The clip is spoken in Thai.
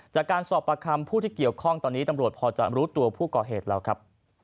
จากการสอบประคำผู้ที่เกี่ยวข้องตอนนี้ตำรวจพอจะรู้ตัวผู้ก่อเหตุแล้วครับ